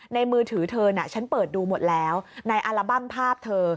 มือถือเธอน่ะฉันเปิดดูหมดแล้วในอัลบั้มภาพเธอ